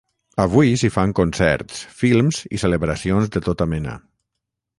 Avui s’hi fan concerts, films i celebracions de tota mena.